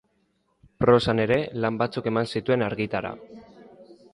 Prosan ere lan batzuk eman zituen argitara.